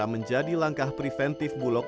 menjadi langkah preventif bulok